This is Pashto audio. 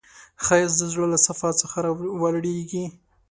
ښایست د زړه له صفا څخه راولاړیږي